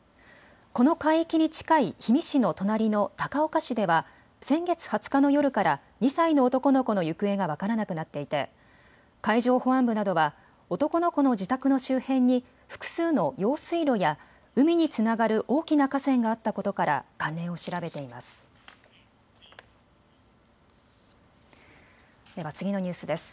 この海域に近い氷見市の隣の高岡市では先月２０日の夜から２歳の男の子の行方が分からなくなっていて海上保安部などは男の子の自宅の周辺に複数の用水路や海につながる大きな河川があったことから関連を調べています。